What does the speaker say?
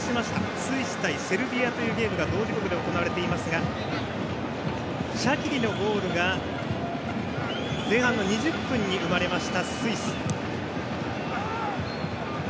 スイス対セルビアというゲームが同時刻に行われていますがシャキリのゴールが前半の２０分に生まれましたスイス。